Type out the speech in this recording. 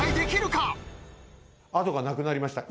後がなくなりました。